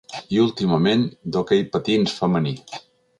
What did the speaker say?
I últimament, d’hoquei patins femení.